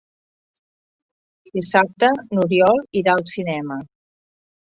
Dissabte n'Oriol irà al cinema.